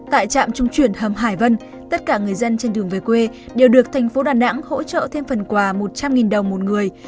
tại trạm trung chuyển hầm hải vân tất cả người dân trên đường về quê đều được thành phố đà nẵng hỗ trợ thêm phần quà một trăm linh đồng một người